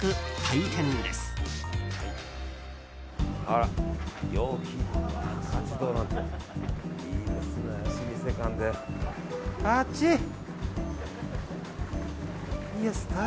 いいですね。